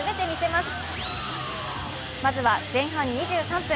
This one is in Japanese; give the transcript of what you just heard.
まずは前半２３分